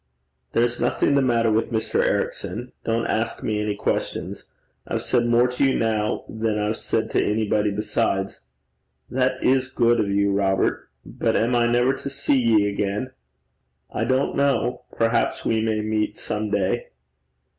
'There's nothing the matter with Mr. Ericson. Don't ask me any questions. I've said more to you now than I've said to anybody besides.' 'That is guid o' you, Robert. But am I never to see ye again?' 'I don't know. Perhaps we may meet some day.'